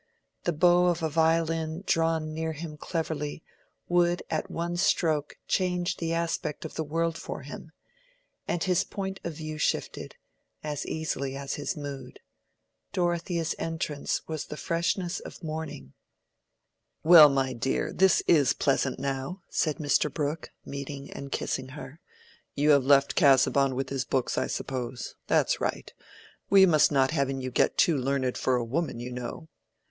The bow of a violin drawn near him cleverly, would at one stroke change the aspect of the world for him, and his point of view shifted as easily as his mood. Dorothea's entrance was the freshness of morning. "Well, my dear, this is pleasant, now," said Mr. Brooke, meeting and kissing her. "You have left Casaubon with his books, I suppose. That's right. We must not have you getting too learned for a woman, you know."